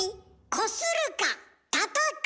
こするたたく。